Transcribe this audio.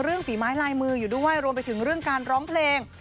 ฝีไม้ลายมืออยู่ด้วยรวมไปถึงเรื่องการร้องเพลง